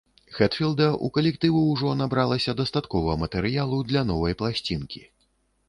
Хэтфілда, у калектыву ўжо набралася дастаткова матэрыялу для новай пласцінкі.